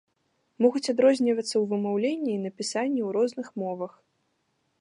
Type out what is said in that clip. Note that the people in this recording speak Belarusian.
Могуць адрознівацца ў вымаўленні і напісанні ў розных мовах.